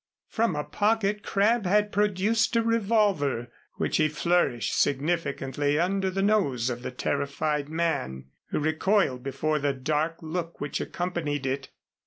From a pocket Crabb had produced a revolver, which he flourished significantly under the nose of the terrified man, who recoiled before the dark look which accompanied it.